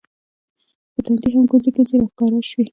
په تندي هم ګونځې ګونځې راښکاره شوې